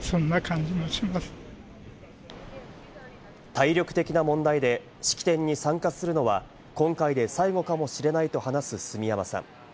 体力的な問題で式典に参加するのは今回で最後かもしれないと話す住山さん。